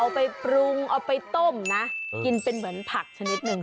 เอาไปปรุงเอาไปต้มนะกินเป็นเหมือนผักชนิดหนึ่ง